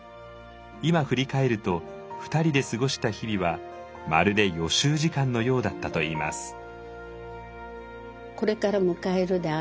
今振り返ると２人で過ごした日々はまるで予習時間のようだったといいます。